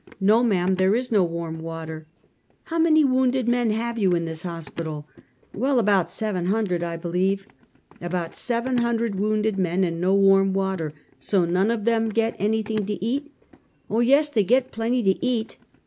"]^o, ma'am! there's no warm water!" "How many w^ounded men have you in this hos pital?" " Well, about seven hundred, I believe." " About seven hundred wounded men, and no warm water! So none of them get anj^thing to eat!" " Oh, yes! they get plenty to eat."